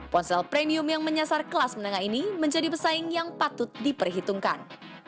ponsel premium yang menyasar kelas menengah ini menjadi pesaing yang patut diperhitungkan